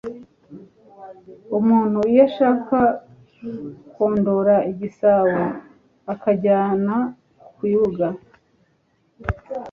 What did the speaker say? Umuntu iyo ashaka kondora igisabo, akijyana ku ibuga,